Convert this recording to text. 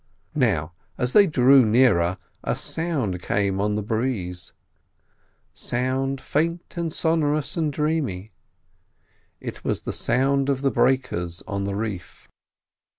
Now, as they drew nearer a sound came on the breeze, a sound faint and sonorous and dreamy. It was the sound of the breakers on the reef.